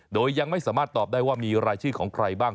โดยยังไม่สามารถตอบได้ว่ามีรายชื่อของใครบ้าง